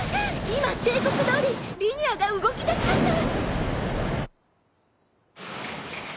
今定刻通りリニアが動きだしました！